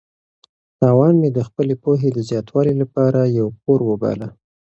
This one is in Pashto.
تاوان مې د خپلې پوهې د زیاتوالي لپاره یو پور وباله.